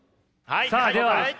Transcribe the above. さあでは。